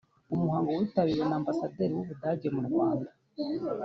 umuhango witabiriwe na Ambasaderi w’ u Budage mu Rwanda